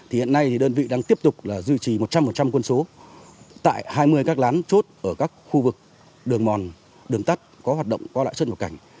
thì hiện nay thì đơn vị đang tiếp tục là duy trì một trăm linh quân số tại hai mươi các lán chốt ở các khu vực đường mòn đường tắt có hoạt động qua lại xuất nhập cảnh